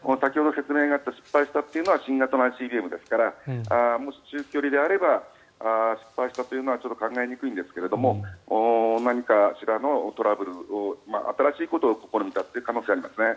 先ほど説明があった失敗したというのは新型のＩＣＢＭですからもし中距離であれば失敗したというのはちょっと考えにくいんですが何かしらのトラブル新しいことを試みた可能性がありますね。